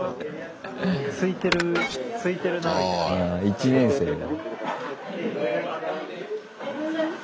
１年生だ。